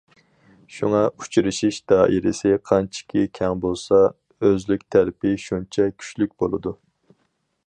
شۇڭا ئۇچرىشىش دائىرىسى قانچىكى كەڭ بولسا ئۆزلۈك تەلىپى شۇنچە كۈچلۈك بولىدۇ.